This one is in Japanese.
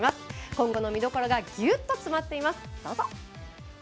今後の見どころがギュッと詰まっています。